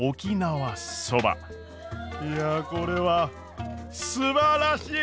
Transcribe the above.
いやこれはすばらしい！